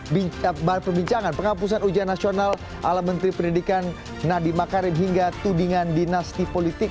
bar perbincangan penghapusan ujian nasional ala menteri pendidikan nadi makarin hingga tudingan dinasti politik